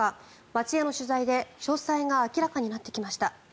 町への取材で詳細が明らかになってきました。